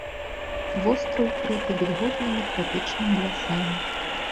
Востраў укрыты вільготнымі трапічнымі лясамі.